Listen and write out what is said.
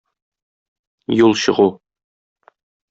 Юл чыгу.